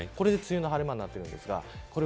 これで梅雨の晴れ間になっています。